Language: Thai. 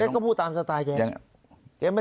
ก็พูดตามสไตล์แก